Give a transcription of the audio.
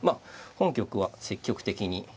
本局は積極的に。